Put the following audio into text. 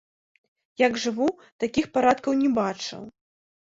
Як жыву, такіх парадкаў не бачыў!